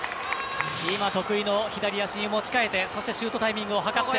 得意の左足に持ち替えてそしてシュートタイミングを図って。